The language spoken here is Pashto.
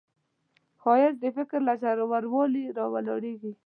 ښایست د فکر له ژوروالي راولاړیږي